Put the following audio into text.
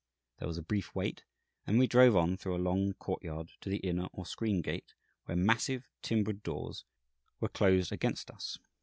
There was a brief wait, and then we drove on through a long courtyard to the inner or screen gate, where massive timbered doors were closed against us.